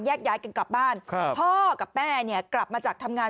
ย้ายกันกลับบ้านครับพ่อกับแม่เนี่ยกลับมาจากทำงาน